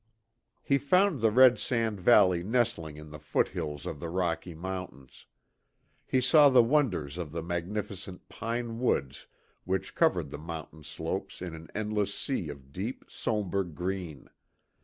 He found the Red Sand Valley nestling in the foot hills of the Rocky Mountains. He saw the wonders of the magnificent pine woods which covered the mountain slopes in an endless sea of deep, sombre green.